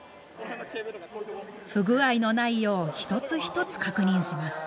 不具合のないよう一つ一つ確認します。